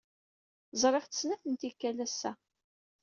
Ẓriɣ-tt snat n tikkal ass-a.